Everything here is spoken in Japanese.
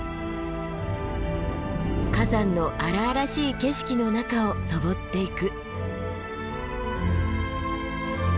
火山の荒々しい景色の中を登っていく。